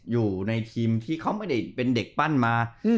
อยู่ในทีมที่เขาไม่ได้เป็นเด็กปั้นมา